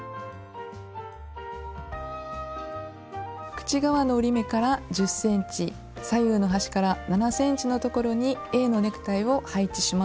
口側の折り目から１０ｃｍ左右の端から７ｃｍのところにａのネクタイを配置します。